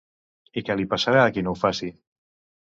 I què li passarà a qui ho faci?